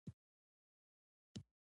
که رییس نه وای راوستي مشکل به یې پیدا شوی و.